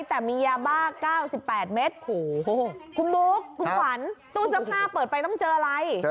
แต่มียาบ้า๙๘เมตร